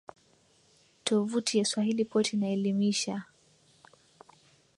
Tovuti ya swahilipot inaelimisha